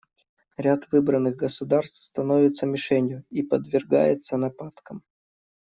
Ряд выбранных государств становится мишенью и подвергается нападкам.